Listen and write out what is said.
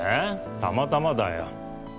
たまたまだよ。